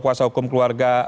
kuasa hukum keluarga